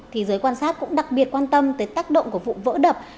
thì giới quan sát cũng đặc biệt quan tâm tới tác động của vụ vỡ đập